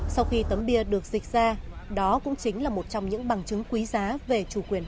sau khi tấm bia được dịch ra đó cũng chính là một trong những bằng chứng quyền